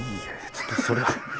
ちょっとそれは。